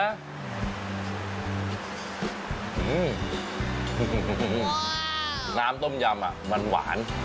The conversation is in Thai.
อืมน้ำต้มยำมันหวาน